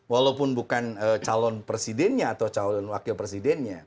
walaupun bukan calon presidennya atau calon wakil presidennya